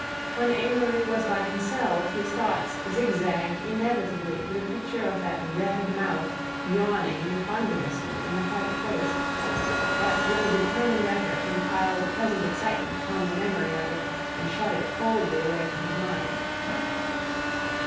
When Amory was by himself his thoughts zigzagged inevitably to the picture of that red mouth yawning incongruously in the white face, but with a determined effort he piled present excitement upon the memory of it and shut it coldly away from his mind.